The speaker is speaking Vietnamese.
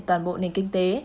toàn bộ nền kinh tế